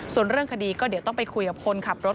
ส่วนเรื่องคดีก็เดี๋ยวต้องไปคุยกับคนขับรถ